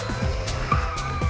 ayo kita jalan dulu